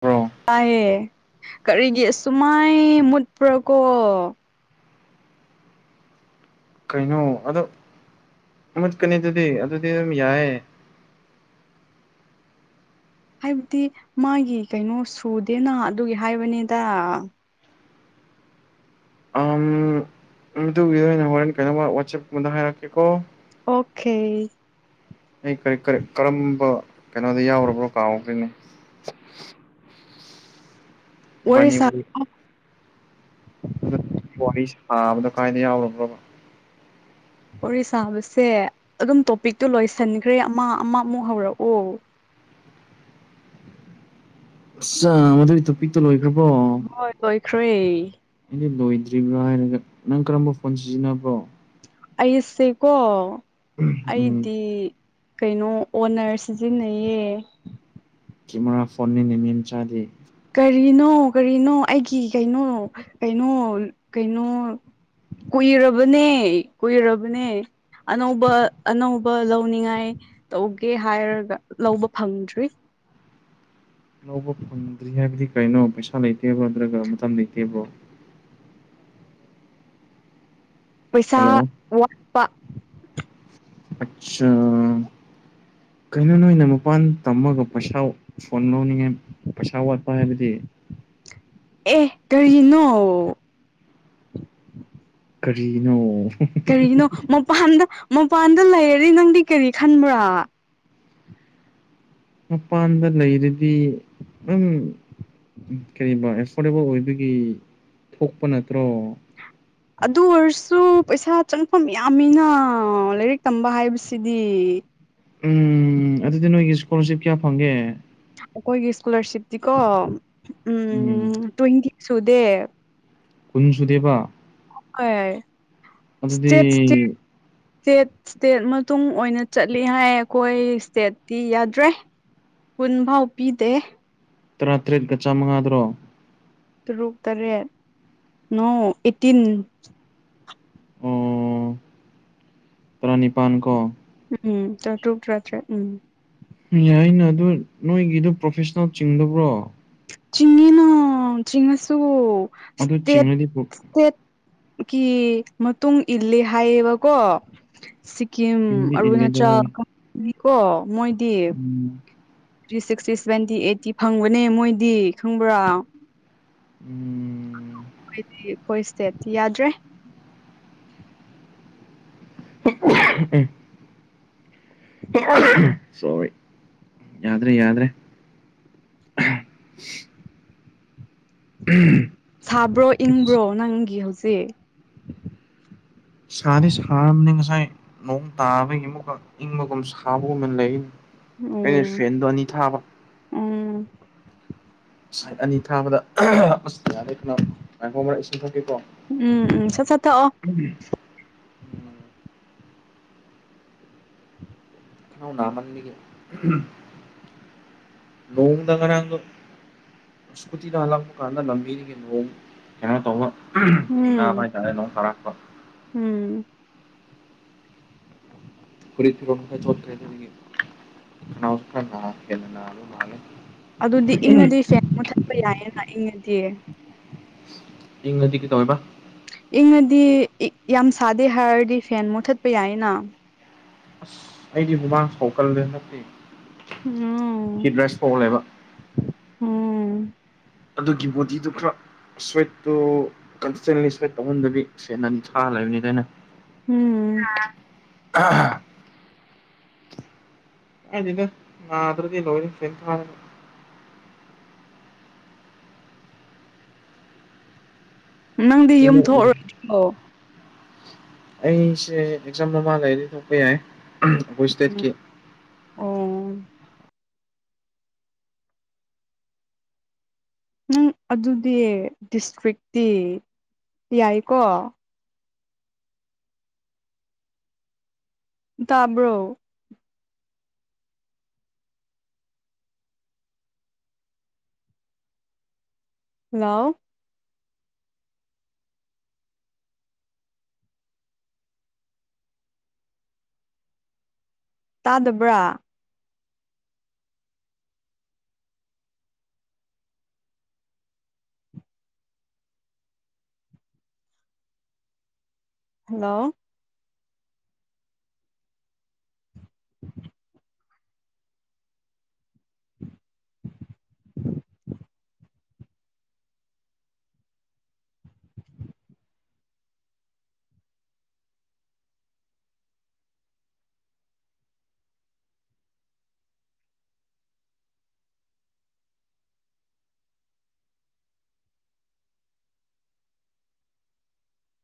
bro ꯇꯥꯏꯑꯦ ꯀꯔꯤꯒꯤ ꯑꯁꯨꯃꯥꯏ ꯃꯨꯠꯄ꯭ꯔꯥꯀꯣ ꯀꯩꯅꯣ ꯑꯗꯣ ꯃꯨꯠꯀꯅꯤ ꯑꯗꯨꯗꯤ ꯑꯗꯨꯗꯤ ꯑꯗꯨꯝ ꯌꯥꯏꯌꯦ ꯍꯥꯏꯕꯗꯤ ꯃꯥꯒꯤ ꯀꯩꯅꯣ ꯁꯨꯗꯦꯅ ꯑꯗꯨꯒꯤ ꯍꯥꯏꯕꯅꯤꯗ ꯑꯗꯨꯒꯤꯗ ꯑꯣꯏꯅ ꯍꯣꯔꯦꯟ ꯀꯩꯅꯣꯝ ꯋꯥꯆꯦꯞꯗ ꯍꯥꯏꯔꯛꯀꯦꯀꯣ ꯑꯣꯈ‌ꯦ ꯑꯩ ꯀꯔꯤ ꯀꯔꯤ ꯀꯔꯝꯕ ꯀꯩꯅꯣꯗ ꯌꯥꯎꯔꯕ꯭ꯔꯣ ꯀꯥꯎꯍꯧꯗꯣꯏꯅꯦ ꯋꯥꯔꯤ ꯁꯥ ꯑꯗꯨ ꯋꯥꯔꯤ ꯁꯥꯕꯅꯣ ꯀꯥꯏꯅ ꯌꯥꯎꯒꯕ꯭ꯔ‌ꯣ ꯋꯥꯔꯤ ꯁꯥꯕꯁꯦ ꯑꯗꯨꯝ ꯇꯣꯄꯤꯛꯇꯣ ꯂꯣꯏꯁꯤꯟꯈ꯭ꯔꯦ ꯑꯃ ꯑꯃ ꯑꯃꯨꯛ ꯍꯧꯔꯛꯎ ꯑꯁ ꯃꯗꯨꯒꯤ ꯇꯣꯄꯤꯛꯇꯣ ꯂꯣꯏꯈ꯭ꯔꯕꯣ ꯍꯣꯏ ꯂꯣꯏꯈ꯭ꯔꯦ ꯑꯗꯤ ꯂꯣꯏꯗ꯭ꯔꯤꯕ꯭ꯔꯥ ꯍꯥꯏꯔꯒ ꯅꯪ ꯀꯔꯝꯕ ꯐꯣꯟ ꯁꯤꯖꯤꯟꯅꯕ꯭ꯔꯣ ꯑꯩꯁꯦꯀꯣ ꯎꯝ ꯑꯩꯗꯤ ꯀꯩꯅꯣ ꯑꯣꯅꯔ ꯁꯤꯖꯤꯟꯅꯩꯌꯦ ꯀꯦꯃꯦꯔꯥ ꯐꯣꯟꯅꯤ ꯃꯤ ꯃꯆꯥꯗꯤ ꯀꯔꯤꯅꯣ ꯀꯔꯤꯅꯣ ꯑꯩꯒꯤ ꯀꯩꯅꯣ ꯀꯩꯅꯣ ꯀꯩꯅꯣ ꯀꯨꯏꯔꯕꯅꯦ ꯀꯨꯏꯔꯕꯅꯦ ꯑꯅꯧꯕ ꯑꯅꯧꯕ ꯂꯧꯅꯤꯡꯉꯥꯏ ꯇꯧꯒꯦ ꯍꯥꯏꯔꯒ ꯂꯧꯕ ꯐꯪꯗ꯭ꯔꯤ ꯑꯅꯧꯕ ꯐꯪꯗ꯭ꯔꯤ ꯍꯥꯏꯕꯗꯤ ꯀꯔꯤꯅꯣ ꯄꯩꯁꯥ ꯂꯩꯇꯦꯕꯣ ꯅꯠꯇ꯭ꯔꯒ ꯃꯇꯝ ꯂꯩꯇꯦꯕ꯭ꯔꯣ ꯄꯩꯁꯥ ꯍꯜꯂꯣ ꯋꯥꯠꯄ ꯑꯆꯥꯥ ꯀꯩꯅꯣ ꯅꯣꯏꯅ ꯃꯄꯥꯟ ꯇꯝꯃꯒ ꯄꯩꯁꯥ ꯁꯣꯟ ꯂꯧꯅꯤꯡꯉꯦ ꯄꯩꯁꯥ ꯋꯥꯠꯄ ꯍꯥꯏꯕꯗꯤ ꯑꯦ ꯀꯔꯤꯅꯣ ꯀꯔꯤꯅꯣ ꯀꯔꯤꯒꯤꯅꯣ ꯃꯄꯥꯟꯗ ꯃꯄꯥꯟꯗ ꯂꯩꯔ ꯅꯪꯗꯤ ꯀꯔꯤ ꯈꯟꯕ꯭ꯔꯥ ꯃꯄꯥꯟꯗ ꯂꯩꯔꯗꯤ ꯎꯝ ꯀ [unintelligible] ꯑꯦꯐꯣꯔꯗꯦꯕꯜ ꯑꯣꯏꯕꯒꯤ ꯊꯣꯛꯄ ꯅꯠꯇ꯭ꯔꯣ ꯑꯗꯨ ꯑꯣꯏꯔꯁꯨ ꯄꯩꯁꯥ ꯆꯪꯐꯝ ꯌꯥꯝꯃꯤꯅ ꯂꯥꯏꯔꯤꯛ ꯇꯝꯕ ꯍꯥꯏꯕꯁꯤꯗꯤ ꯎꯝ ꯑꯗꯨꯗꯤ ꯅꯣꯏꯒꯤ ꯏꯁꯀꯣꯂꯔꯁꯤꯞ ꯀꯌꯥ ꯐꯪꯒꯦ ꯑꯩꯈꯣꯏꯒꯤ ꯏꯁꯀꯣꯂꯥꯔꯁꯤꯞꯇꯤꯀꯣ ꯎꯝ ꯇ꯭ꯋꯦꯟꯇꯤ ꯁꯨꯗꯦ ꯀꯨꯟ ꯁꯨꯨꯗꯦꯕ ꯍꯣꯏ ꯑꯗꯨꯗꯤ ꯁꯇꯦꯠ ꯁꯇꯦꯠ ꯏꯁꯇꯦꯠ ꯏꯁꯇꯦꯠ ꯃꯇꯨꯡ ꯑꯣꯏꯅ ꯆꯠꯂꯤ ꯍꯥꯏ ꯑꯩꯈꯣꯏ ꯏꯁꯇꯦꯠꯇꯤ ꯌꯥꯗ꯭ꯔꯦ ꯀꯨꯟꯐꯥꯎ ꯄꯤꯗꯦ ꯇꯔꯥꯇꯔꯦꯠꯀ ꯆꯥꯃꯉꯥꯗꯔꯣ ꯇꯔꯨꯛ ꯇꯔꯦꯠ ꯅꯣ ꯑꯩꯠꯇꯤꯟ ꯑꯣ ꯇꯔꯥꯅꯤꯄꯥꯟꯀꯣ ꯎꯝ ꯇ꯭ꯔꯥꯇꯔꯨꯛ ꯇꯔꯥꯇꯔꯦꯠ ꯎꯝ ꯌꯥꯏꯅ ꯑꯗꯨ ꯅꯣꯏꯒꯤꯗꯣ ꯄ꯭ꯔꯣꯐꯦꯁꯅꯦꯜ ꯆꯤꯡꯗꯕ꯭ꯔꯣ ꯆꯤꯡꯉꯤꯅ ꯆꯤꯡꯉꯁꯨꯨ ꯑꯗꯨ ꯁ꯭ꯇꯦꯠ ꯆꯤꯡꯉꯗꯤ ꯏꯁꯦꯠꯀꯤ ꯃꯇꯨꯡ ꯏꯜꯂꯤ ꯍꯥꯏꯌꯦꯕꯀꯣ ꯁꯤꯛꯀꯤꯝ ꯏꯟꯗꯤ ꯏꯜꯂꯦꯗ ꯑꯔꯨꯅꯥꯆꯜ ꯍꯣꯏ [inaudible] ꯒꯤꯀꯣ ꯃꯣꯏꯗꯤ ꯎꯝ ꯊ꯭ꯔꯤ ꯁꯤꯛꯁꯇꯤ ꯁꯚꯦꯟꯇꯤ ꯑꯩꯠꯇꯤ ꯐꯪꯕꯅꯦ ꯃꯣꯏꯗꯤ ꯈꯪꯕ꯭ꯔꯥ ꯎꯝ ꯑꯩꯈꯣꯏꯗꯤ ꯑꯩꯈꯣꯏ ꯁ꯭ꯇꯦꯠꯇꯤ ꯌꯥꯗ꯭ꯔꯦ [unintelligible] ꯁꯣꯔꯤ ꯌꯥꯗ꯭ꯔꯦ ꯌꯥꯗ꯭ꯔꯦ ꯁꯥꯕ꯭ꯔꯣ ꯏꯪꯕ꯭ꯔꯣ ꯅꯪꯒꯤ ꯍꯧꯖꯤꯛ ꯁꯥꯗꯤ ꯁꯥꯔꯕꯅꯤ ꯉꯁꯥꯏ ꯅꯣꯡ ꯇꯥꯕꯒꯤ ꯑꯃꯨꯛꯀ ꯏꯪꯕꯒꯨꯝ ꯁꯥꯕꯒꯨꯝꯅ ꯂꯩ ꯑꯩꯅ ꯎꯝ ꯐꯦꯟꯗꯣ ꯑꯅꯤ ꯊꯥꯕ ꯎꯝ ꯁꯥꯏꯠ ꯑꯅꯤ ꯊꯥꯕꯗ [unintelligible] ꯑꯁ ꯌꯥꯗꯦ ꯈꯅꯥꯎ ꯉꯥꯏꯈꯣ ꯑꯃꯔꯛ ꯏꯁꯤꯡ ꯊꯛꯀꯦꯀꯣ ꯎꯝ ꯎꯝ ꯁꯠ ꯁꯠ ꯊꯛꯑꯣ [unintelligible] ꯈꯅꯥꯎ ꯅꯥꯃꯟꯕꯒꯤ ꯅꯣꯡꯗ ꯉꯔꯥꯡꯗꯣ ꯁ꯭ꯀꯨꯇꯤꯗ ꯍꯜꯂꯛꯄ ꯀꯥꯟꯗ ꯂꯝꯕꯤꯗꯒꯤ ꯅꯣꯡ ꯀꯩꯅꯣ ꯇꯧꯕ ꯊꯦꯡꯅꯕ ꯎꯝ ꯍꯥꯏꯇꯥꯔꯦ ꯅꯣꯡ ꯇꯥꯔꯛꯄ ꯎꯝ ꯐꯨꯔꯤꯠ ꯐꯤꯔꯣꯟ ꯈꯔ ꯆꯣꯈ꯭ꯔꯦ ꯑꯗꯨꯗꯨꯒꯤ ꯈꯅꯥꯎꯁꯨ ꯈꯔ ꯅꯥ ꯍꯦꯟꯅ ꯅꯥꯕ ꯃꯥꯜꯂꯦ ꯑꯗꯨꯗꯤ ꯏꯪꯉꯗꯤ ꯐꯦꯟ ꯃꯨꯠꯊꯠꯄ ꯌꯥꯏꯌꯦꯅ ꯏꯪꯉꯗꯤ ꯏꯪꯉꯗꯤ ꯀꯩꯗꯧꯋꯦꯕ ꯏꯪꯉꯗꯤ ꯌꯥꯝ ꯁꯥꯗꯦ ꯍꯥꯏꯔꯗꯤ ꯐꯦꯟ ꯃꯨꯠꯊꯠꯄ ꯌꯥꯏꯌꯦꯅ ꯑꯁ ꯑꯩꯗꯤ ꯍꯨꯃꯥꯡ ꯁꯧꯀꯜꯂꯦ ꯍꯟꯗꯛꯇꯤ [unintelligible] ꯈꯤ ꯗ꯭ꯔꯦꯁ ꯊꯣꯛꯑ ꯂꯩꯕ ꯎꯝ ꯑꯗꯨꯒꯤ ꯕꯣꯗꯤꯗꯨ ꯈꯔ ꯁ꯭ꯋꯦꯠꯇꯨ ꯀꯟꯁꯇꯦꯟꯂꯤ ꯁ꯭ꯋꯦꯠ ꯇꯧꯍꯟꯗꯕꯤ ꯐꯦꯟ ꯑꯅꯤ ꯊꯥ ꯂꯩꯕꯅꯤꯗ ꯑꯩꯅ ꯎꯝ ꯑꯩꯅ ꯀꯥꯏꯗꯦꯗ ꯅꯥꯗ꯭ꯔꯗꯤ ꯂꯣꯏꯔꯦ ꯐꯦꯟ ꯊꯥꯔꯒ ꯅꯪꯗꯤ ꯌꯨꯝ ꯊꯣꯛꯑꯔꯣꯏꯗ꯭ꯔꯣ [unintelligible] ꯑꯩꯁꯦ ꯑꯦꯛꯖꯥꯝ ꯃꯥꯃꯥꯡ ꯂꯩꯗꯤ ꯊꯣꯛꯄ ꯌꯥꯏ ꯑꯩꯈꯣꯏ ꯎꯝ ꯏꯁꯇꯦꯠꯀꯤ ꯑꯣ ꯅꯪ ꯑꯗꯨꯗꯤ ꯗꯤꯁꯇ꯭ꯔꯤꯛꯇꯤ ꯌꯥꯏꯀꯣ ꯇꯥꯕ꯭ꯔꯣ ꯍꯜꯂꯣ ꯇꯥꯗꯕ꯭ꯔꯥ ꯍꯜꯂꯣ [inaudible]